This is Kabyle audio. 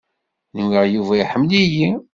Nwiɣ Yuba iḥemmel-iyi.